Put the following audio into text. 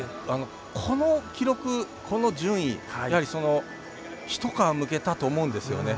この記録、この順位、やはり一皮むけたと思うんですよね。